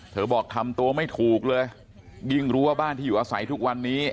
บอกทำตัวไม่ถูกเลยยิ่งรู้ว่าบ้านที่อยู่อาศัยทุกวันนี้